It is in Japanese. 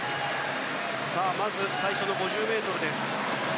最初の５０ｍです。